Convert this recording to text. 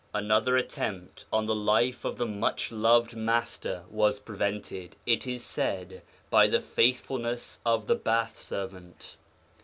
Another attempt on the life of the much loved Master was prevented, it is said, by the faithfulness of the bath servant.